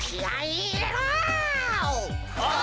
お！